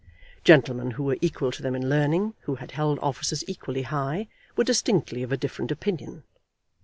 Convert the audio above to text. Gentlemen who were equal to them in learning, who had held offices equally high, were distinctly of a different opinion.